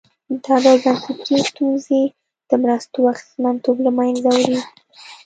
دا ډول بنسټي ستونزې د مرستو اغېزمنتوب له منځه وړي.